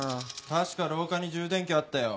確か廊下に充電器あったよ。